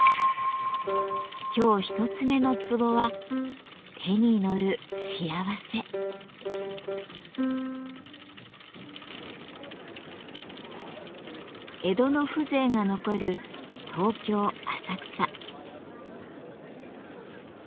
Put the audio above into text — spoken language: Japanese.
今日一つ目のツボは江戸の風情が残る東京・浅草。